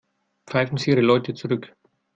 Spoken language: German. Pfeifen Sie Ihre Leute zurück.